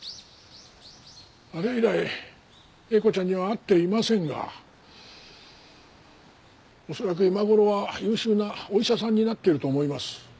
あれ以来英子ちゃんには会っていませんが恐らく今頃は優秀なお医者さんになってると思います。